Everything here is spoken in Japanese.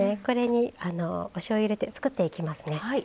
これにおしょうゆを入れて作っていきますね。